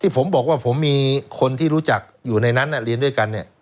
ผมบอกว่าผมมีคนที่รู้จักอยู่ในนั้นเรียนด้วยกันเนี่ย